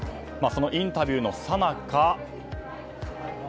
そのインタビューのさなか。